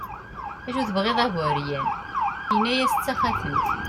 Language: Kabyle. acu tebɣiḍ a bu ɛeryan, yenna-as d taxatemt